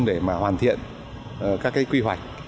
để mà hoàn thiện các cái quy hoạch